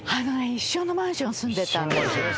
一緒のマンション住んでたんです。